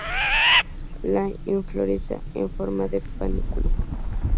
La inflorescencia en forma de panícula.